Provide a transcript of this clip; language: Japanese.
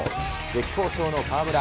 絶好調の河村。